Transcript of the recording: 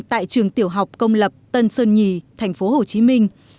tại trường tiểu học công lập tân sơn nhì thành phố hồ chí minh